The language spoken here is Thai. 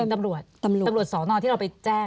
นัธิบัลตรวจสองน้อยที่เราไปแจ้ง